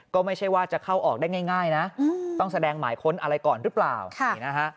ก็ไม่ใช่ว่าจะเข้าออกได้ง่ายนะต้องแสดงหมายค้นอะไรก่อนหรือเปล่านี่นะฮะ